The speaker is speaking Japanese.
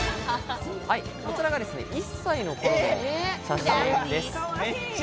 こちらが１歳の頃の写真です。